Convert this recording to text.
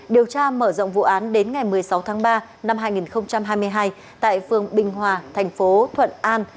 điều tra mở rộng vụ án đến ngày một mươi sáu tháng ba năm hai nghìn hai mươi hai tại phường bình hòa thành phố thuận an